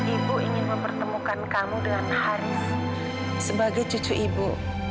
ibu ingin mempertemukan kamu dengan haris sebagai cucu ibu